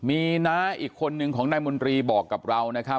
มีเหน่าอีกคนหนึ่งของนายมนตรีบอกกับเรา